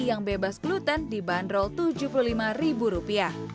yang bebas gluten dibanderol rp tujuh puluh lima